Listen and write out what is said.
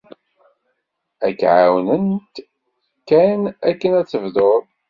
Ad k-ɛawnent kan akken ad tebdud.